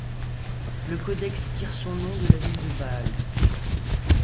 Le codex tire son nom de la ville de Bâle.